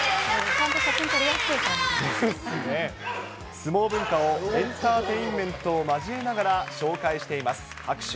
相撲文化をエンターテインメントを交えながら紹介しています。